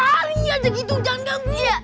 sehari aja gitu gangga gue